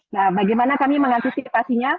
nah bagaimana kami mengaktifkan situasinya